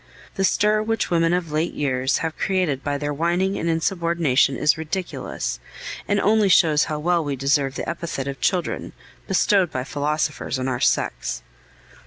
The stir which women of late years have created by their whining and insubordination is ridiculous, and only shows how well we deserve the epithet of children, bestowed by philosophers on our sex."